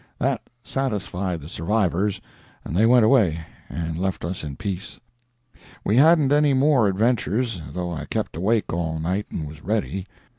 That satisfied the survivors, and they went away and left us in peace. "We hadn't any more adventures, though I kept awake all night and was ready.